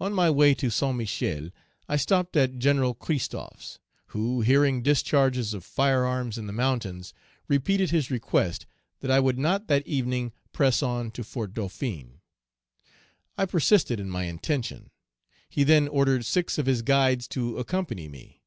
On my way to Saint Michel, I stopped at General Christophe's, who, hearing discharges of fire arms in the mountains, repeated his request that I would not that evening press on to Fort Dauphin. I persisted in my intention. He then ordered six of his guides to accompany me.